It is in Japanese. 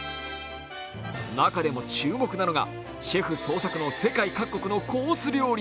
中でも注目なのがシェフ創作の世界各国のコース料理。